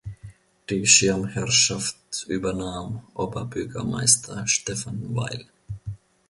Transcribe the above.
Die Schirmherrschaft übernahm Oberbürgermeister Stephan Weil.